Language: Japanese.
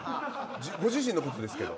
ご自身のことですけど。